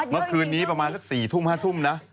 เมื่อคืนนี้ประมาณสัก๔ทุ่ม๕ทุ่มนะ